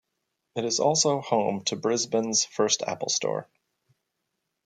It is also home to Brisbane's first Apple Store.